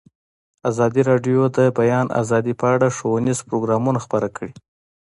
ازادي راډیو د د بیان آزادي په اړه ښوونیز پروګرامونه خپاره کړي.